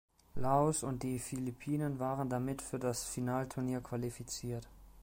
Laos und die Philippinen waren damit für das Finalturnier qualifiziert.